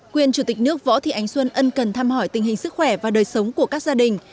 quyền chủ tịch nước võ thị ánh xuân ân cần thăm hỏi tình hình sức khỏe và đời sống của các gia đình